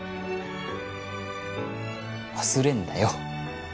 忘れるんだよ！